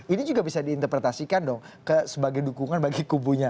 ini juga bisa diinterpretasikan dong sebagai dukungan bagi kubunya